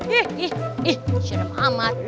ih serem amat